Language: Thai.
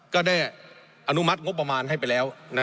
ก็ได้อนุมัติงบประมาณให้ไปแล้ว